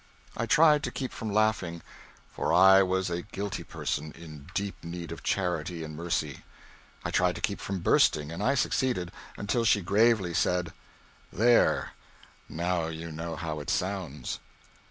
I tried to keep from laughing, for I was a guilty person in deep need of charity and mercy. I tried to keep from bursting, and I succeeded until she gravely said, "There, now you know how it sounds."